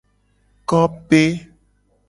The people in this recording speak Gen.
Kope.